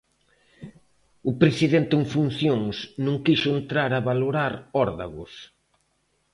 O presidente en funcións non quixo entrar a valorar órdagos.